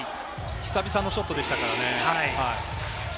久々のショットでしたね。